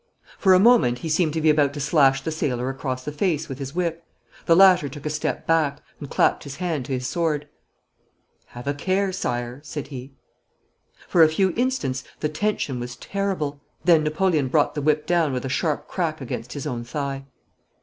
For a moment he seemed to be about to slash the sailor across the face with his whip. The latter took a step back, and clapped his hand to his sword. 'Have a care, Sire,' said he. For a few instants the tension was terrible. Then Napoleon brought the whip down with a sharp crack against his own thigh.